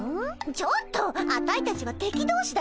ちょっとアタイたちは敵どうしだよ。